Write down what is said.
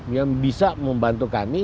yang bisa membantu kami